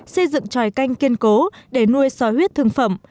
xây dựng tròi canh kiên cố để nuôi xò huyết thương phẩm